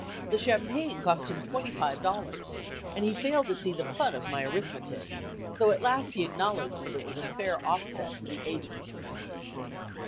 The champagne cost him $25, and he failed to see the fun of my arithmetic, though at last he acknowledged that it was a fair offset to the Avery trick.